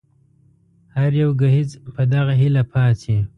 هر يو ګهيځ په دغه هيله پاڅي